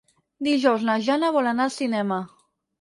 Dijous na Jana vol anar al cinema.